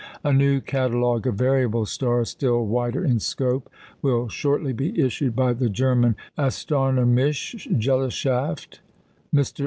A new "Catalogue of Variable Stars," still wider in scope, will shortly be issued by the German Astronomische Gesellschaft. Mr.